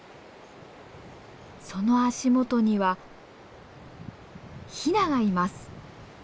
その足元にはヒナがいます！